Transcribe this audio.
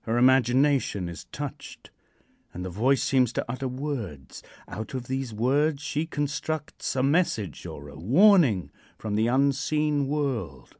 Her imagination is touched, and the voice seems to utter words. Out of these words she constructs a message or a warning from the unseen world.